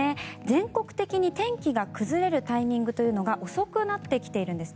全国的に、天気が崩れるタイミングというのが遅くなってきているんです。